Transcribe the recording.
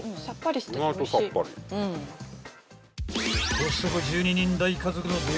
［コストコ］